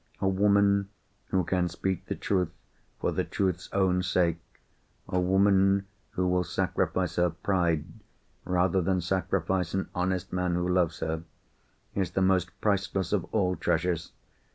A woman who can speak the truth, for the truth's own sake—a woman who will sacrifice her pride, rather than sacrifice an honest man who loves her—is the most priceless of all treasures.